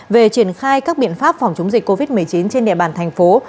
về triển khai các biện pháp phòng chống dịch covid một mươi chín trên địa bàn thành phố